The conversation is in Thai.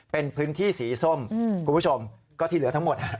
เป็นพื้นที่สีส้มคุณผู้ชมก็ที่เหลือทั้งหมด